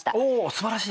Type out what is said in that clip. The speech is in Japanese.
すばらしい。